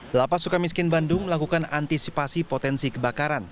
lapas suka miskin bandung melakukan antisipasi potensi kebakaran